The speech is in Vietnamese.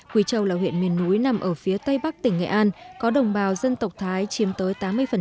quỳ châu là huyện miền núi nằm ở phía tây bắc tỉnh nghệ an có đồng bào dân tộc thái chiếm tới tám mươi